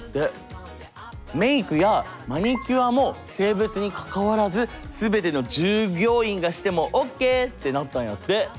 メークやマニキュアも性別にかかわらず全ての従業員がしてもオッケーってなったんやって。